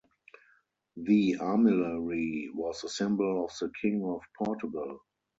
The armillary was a symbol of the king of Portugal.